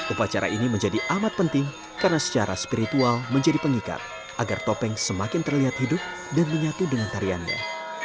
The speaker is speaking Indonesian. upacara ini menjadi amat penting karena secara spiritual menjadi pengikat agar topeng semakin terlihat hidup dan menyatu dengan tariannya